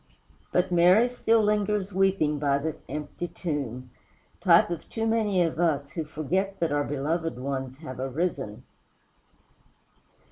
But Mary still lingers weeping by the empty tomb type of too many of us, who forget that our beloved ones have arisen.